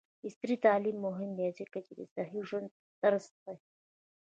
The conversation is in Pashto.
عصري تعلیم مهم دی ځکه چې د صحي ژوند طرز ښيي.